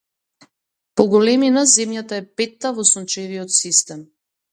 По големина земјата е петта во сончевиот систем.